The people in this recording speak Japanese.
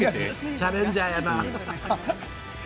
チャレンジャーやな。